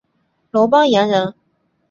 楼邦彦人。